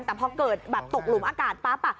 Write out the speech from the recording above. แต่พอเกิดแบบตกหลุมอากาศปั๊บ